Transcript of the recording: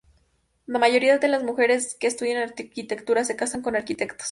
La mayoría de las mujeres que estudian arquitectura se casan con arquitectos.